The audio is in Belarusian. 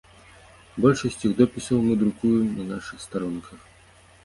Большасць іх допісаў мы друкуем на нашых старонках.